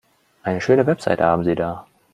Eine schöne Website haben Sie da.